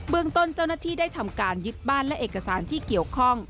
เมืองต้นเจ้าหน้าที่ได้ทำการยึดบ้านและเอกสารที่เกี่ยวข้อง